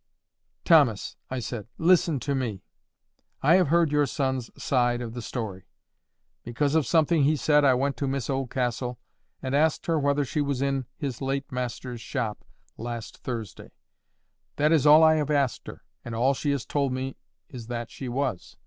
"Thomas," I said, "listen to me. I have heard your son's side of the story. Because of something he said I went to Miss Oldcastle, and asked her whether she was in his late master's shop last Thursday. That is all I have asked her, and all she has told me is that she was.